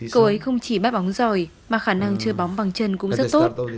cậu ấy không chỉ bắt bóng giỏi mà khả năng chơi bóng bằng chân cũng rất tốt